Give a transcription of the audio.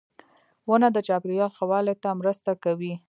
• ونه د چاپېریال ښه والي ته مرسته کوي.